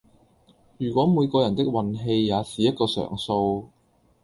如果每個人的運氣也是一個常數